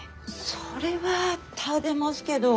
それは立でますけど。